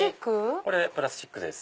これプラスチックです。